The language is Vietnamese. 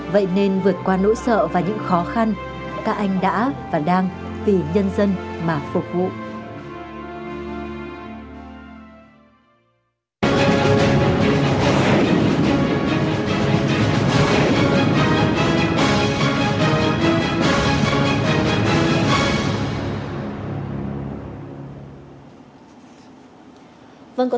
vậy nên vượt qua nỗi sợ và những khó khăn các anh đã và đang vì nhân dân mà phục vụ